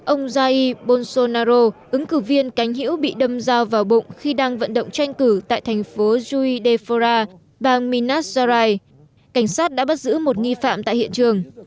ông jair bolsonaro ứng cử viên cánh hữu bị đâm dao vào bụng khi đang vận động tranh cử tại thành phố juidefora bang minas gerais cảnh sát đã bắt giữ một nghi phạm tại hiện trường